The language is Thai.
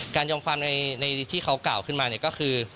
การยอมความที่เขากล่าวขึ้นมาเนี่ยก็คือ